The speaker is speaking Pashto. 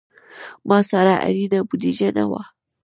ما سره اړینه بودیجه نه وه.